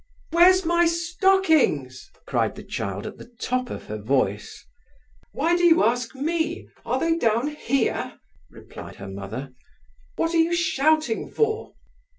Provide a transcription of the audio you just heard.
"Where's my stockings?" cried the child at the top of her voice. "Why do you ask me? Are they down here?" replied her mother. "What are you shouting for?"